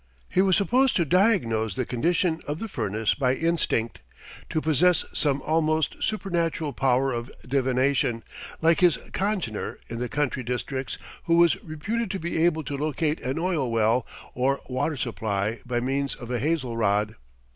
He was supposed to diagnose the condition of the furnace by instinct, to possess some almost supernatural power of divination, like his congener in the country districts who was reputed to be able to locate an oil well or water supply by means of a hazel rod.